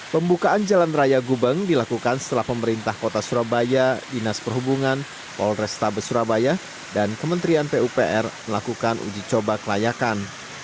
pembukaan jalan raya gubeng dilakukan setelah pemerintah kota surabaya dinas perhubungan polrestabes surabaya dan kementerian pupr melakukan uji coba kelayakan